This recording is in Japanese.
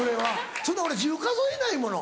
そんな俺１０数えないもの。